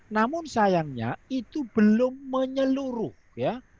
namun sayangnya itu belum menyeluruh ya